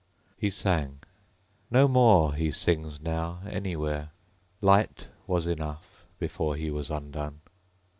He sang. No more he sings now, anywhere. Light was enough, before he was undone.